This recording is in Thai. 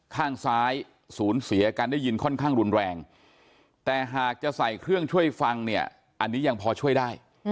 ข้างซ้ายสูญเสียการได้ยินค่อนข้างรุนแรงแต่หากจะใส่เครื่องช่วยฟังเนี่ยอันนี้ยังพอช่วยได้